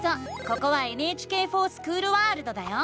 ここは「ＮＨＫｆｏｒＳｃｈｏｏｌワールド」だよ！